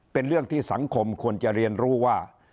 เป็นเรื่องที่สังคมควรจะเรียนรู้ว่า